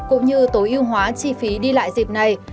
cũng như tối ưu hóa chi phí đi lại dịp này